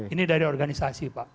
ini dari organisasi pak